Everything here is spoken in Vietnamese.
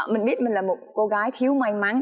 mình biết mình là một cô gái thiếu may mắn